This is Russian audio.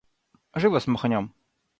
Живо смахнем!